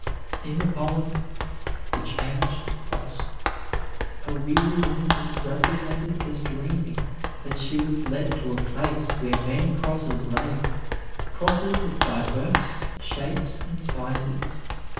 In the poem, "The Changed Cross," a weary woman is represented as dreaming that she was led to a place where many crosses lay, crosses of divers shapes and sizes.